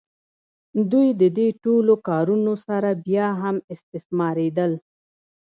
دوی د دې ټولو کارونو سره بیا هم استثماریدل.